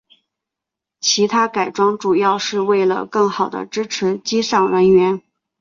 其它改装主要是为了更好地支持机上人员。